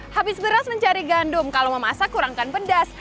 habis beras mencari gandum kalau memasak kurangkan pedas